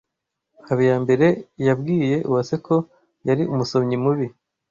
Habiyambere yabwiye Uwase ko yari umusomyi mubi.